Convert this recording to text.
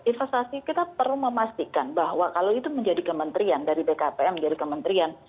investasi kita perlu memastikan bahwa kalau itu menjadi kementerian dari bkpm menjadi kementerian